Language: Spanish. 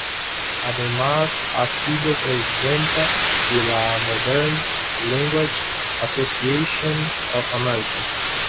Además, ha sido presidenta de la Modern Language Association of America.